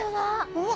うわ！